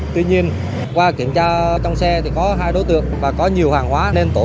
tuy nhiên qua kiểm tra trong xe thì có hai đối tượng và có nhiều hàng hóa nên tổ không phát hiện nồng độ cồn